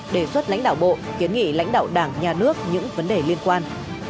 đề xuất lãnh đạo bộ kiến nghị lãnh đạo đảng nhà nước những vấn đề liên quan